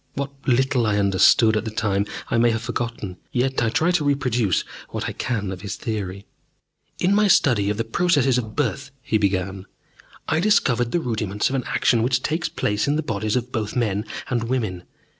What little I understood at the time I may have forgotten, yet I try to reproduce what I can of his theory. "In my study of the processes of birth," he began, "I discovered the rudiments of an action which takes place in the bodies of both men and women.